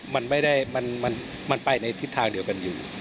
มันไปในทิศทางเดียวกันอยู่